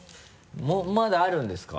まだあるんですか？